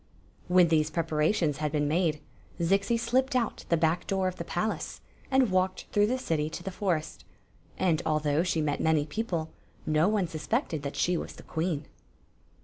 When these preparations had been made, Zixi slipped out the back door of the palace and walked through the city to the forest ; and, although she met many people, no one suspected that she was the queen.